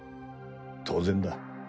当然だ。